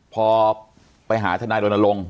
พอไปหาทนัยโดนลง